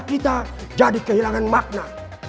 kita jadi kehilangan makna